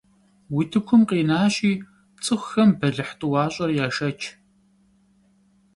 Утыкум къинащи, цӀыхухэм бэлыхь тӀуащӀэр яшэч.